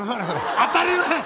当たり前！